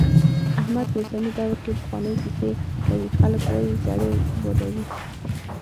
احمد په اوسني دور کې هغه پخوانۍ کیسې کوي، خلک وايي زړې بادوي.